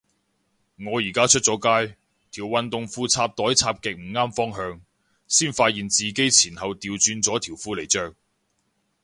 我而家出咗街，條運動褲插袋插極唔啱方向，先發現自己前後掉轉咗條褲嚟着